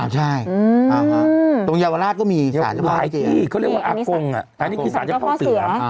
ใช่ตรงเยาวราชก็มีสารเจ้าข้อเสือ